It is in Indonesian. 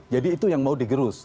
jadi itu yang mau digerus